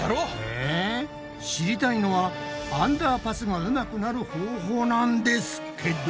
え知りたいのはアンダーパスがうまくなる方法なんですけど。